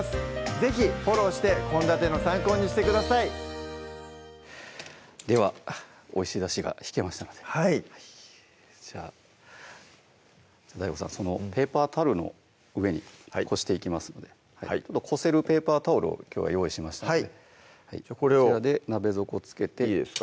是非フォローして献立の参考にしてくださいではおいしいだしが引けましたのではいじゃあＤＡＩＧＯさんそのペーパータオルの上にこしていきますのでこせるペーパータオルをきょうは用意しましたのでこれを鍋底つけていいですか？